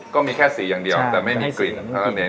ก็มีแค่สีอย่างเดียวแต่ไม่มีกลิ่น